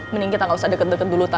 mending kita gak usah deket deket dulu